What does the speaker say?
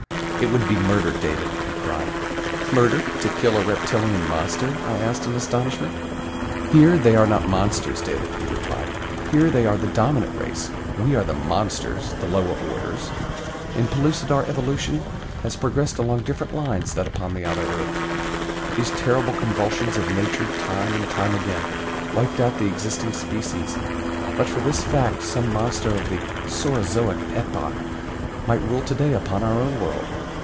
"It would be murder, David," he cried. "Murder to kill a reptilian monster?" I asked in astonishment. "Here they are not monsters, David," he replied. "Here they are the dominant race we are the 'monsters' the lower orders. In Pellucidar evolution has progressed along different lines than upon the outer earth. These terrible convulsions of nature time and time again wiped out the existing species but for this fact some monster of the Saurozoic epoch might rule today upon our own world.